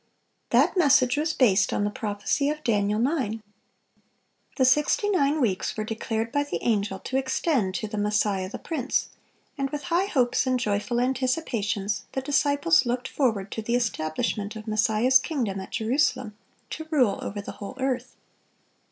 (574) That message was based on the prophecy of Daniel 9. The sixty nine weeks were declared by the angel to extend to "the Messiah the Prince," and with high hopes and joyful anticipations the disciples looked forward to the establishment of Messiah's kingdom at Jerusalem, to rule over the whole earth.